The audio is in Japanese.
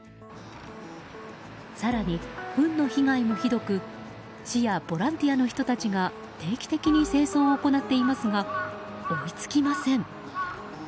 更にふんの被害もひどく市やボランティアの人たちが定期的に清掃を行っていますが追いつきません。